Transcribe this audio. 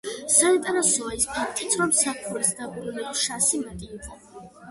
საინტერესოა ის ფაქტიც, რომ საფულის დაბრუნების შანსი მეტი იყო.